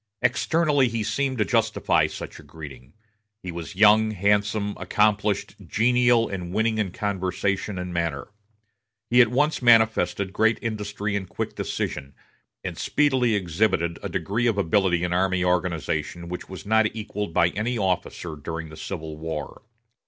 Externally he seemed to justify such a greeting. He was young, handsome, accomplished, genial and winning in conversation and manner. He at once manifested great industry and quick decision, and speedily exhibited a degree of ability in army organization which was not equaled by any officer during the Civil War.